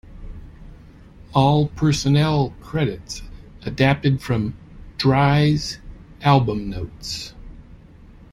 All personnel credits adapted from "Dry"s album notes.